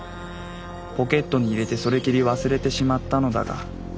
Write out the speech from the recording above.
ポケットに入れてそれきり忘れてしまったのだが。